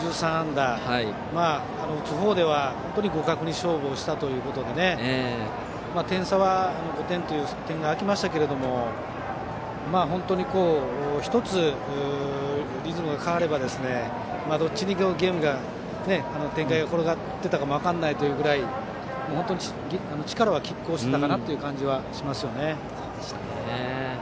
打つ方では本当に互角を勝負したということで点差は５点という点が開きましたが本当に１つリズムが変わればどっちにゲームが展開が転がっていたか分からないというぐらい力はきっ抗していた感じがします。